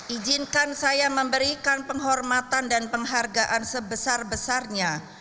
ijinkan saya memberikan penghormatan dan penghargaan sebesar besarnya